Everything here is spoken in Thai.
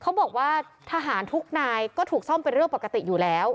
เขาบอกว่าทหารทุกนายก็ถูกซ่อมเป็นเรื่องปกติอยู่แล้ว